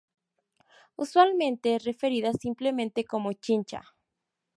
Usualmente es referida simplemente como Chincha.